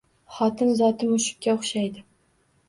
Xotin zoti mushukka o'xshaydi